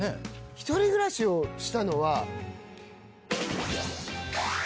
一人暮らしをしたのは。